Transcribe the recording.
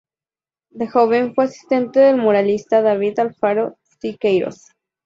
De joven fue asistente del muralista David Alfaro Siqueiros.